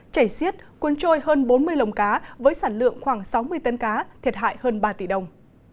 chảy xiết cuốn trôi hơn bốn mươi lồng cá với sản lượng khoảng sáu mươi tấn cá thiệt hại hơn ba tỷ đồng